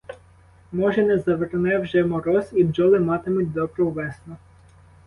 Може, не заверне вже мороз, і бджоли матимуть добру весну!